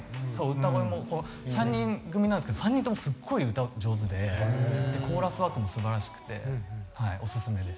歌声も３人組なんですけど３人ともすっごい歌上手でコーラスワークもすばらしくてはいオススメです。